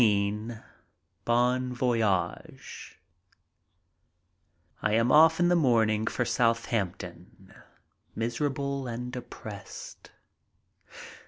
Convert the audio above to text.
XV BON VOYAGE I AM off in the morning for Southampton, miserable and depressed.